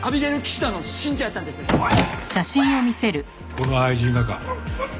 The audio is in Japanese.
この愛人がか？